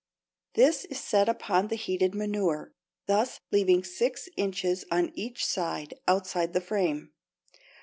This is set upon the heated manure, thus leaving six inches on each side outside the frame.